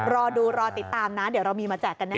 รอดูรอติดตามนะเดี๋ยวเรามีมาแจกกันแน่